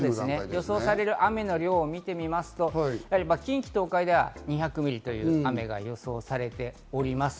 予想される雨の量を見てみますと、近畿、東海では２００ミリの雨が予想されております。